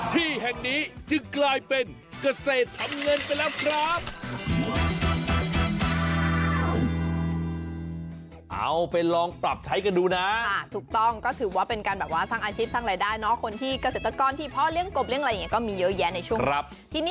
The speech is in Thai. ที่แห่งนี้จึงกลายเป็นเกษตรทำเงินไปแล้วครับ